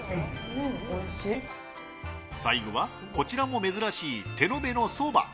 最後は、こちらも珍しい手延べのそば。